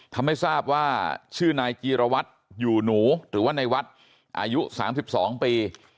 ทำให้ทราบว่าชื่อนายจีรวัตรอยู่หนูหรือว่าในวัดอายุ๓๒ปี